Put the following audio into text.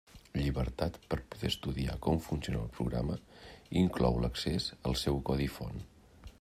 Llibertat per poder estudiar com funciona el programa; inclou l'accés al seu codi font.